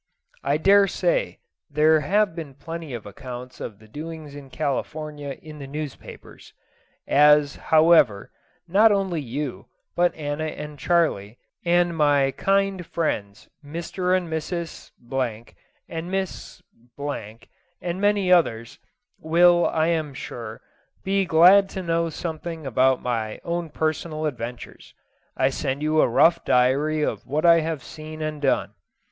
I dare say there have been plenty of accounts of the doings in California in the newspapers. As, however, not only you, but Anna and Charley, and my kind friends Mr. and Mrs. and Miss , and many others, will, I am sure, be glad to know something about my own personal adventures, I send you a rough diary of what I have seen and done.